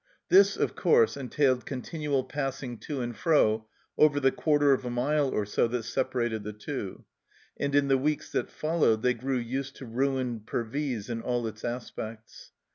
This, of course, entailed continual passing to and fro over the quarter of a mile or so that separated the two, and in the weeks that followed they grew used to ruined Pervyse in all its aspects.